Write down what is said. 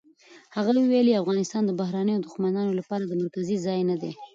هغه ویلي، افغانستان د بهرنیو دښمنانو لپاره د مرکز ځای نه دی.